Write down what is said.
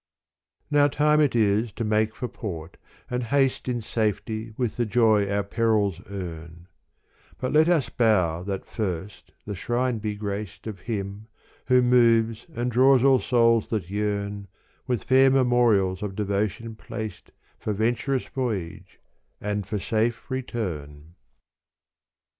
Now time it is to make for port and haste In safety with the joy our perils earn : But let us bow that first the shrine be graced Of him who moves and draws all souls that yearn, With fair memorials of devotion placed For venturous voyage and for safe return.